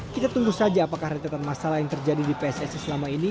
kita tunggu saja apakah rentetan masalah yang terjadi di pssi selama ini